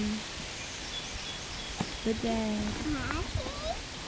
THE DEAD.